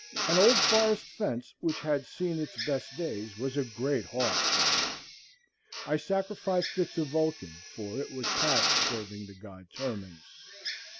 An old forest fence which had seen its best days was a great haul for me. I sacrificed it to Vulcan, for it was past serving the god Terminus.